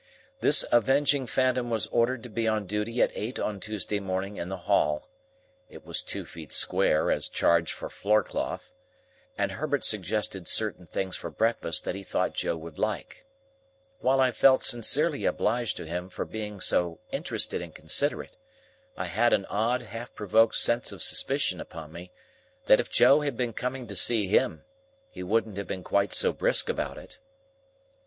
This avenging phantom was ordered to be on duty at eight on Tuesday morning in the hall, (it was two feet square, as charged for floorcloth,) and Herbert suggested certain things for breakfast that he thought Joe would like. While I felt sincerely obliged to him for being so interested and considerate, I had an odd half provoked sense of suspicion upon me, that if Joe had been coming to see him, he wouldn't have been quite so brisk about it.